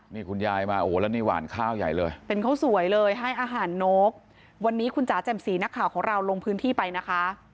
นี่คุณยายมาโอ้โหแล้วนี่หวานข้าวใหญ่เลยเป็นข้าวสวยเลยให้อาหารนกวันนี้คุณจ๋าแจ่มสีนักข่าวของเราลงพื้นที่ไปนะคะ